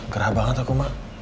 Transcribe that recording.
gerah banget aku ma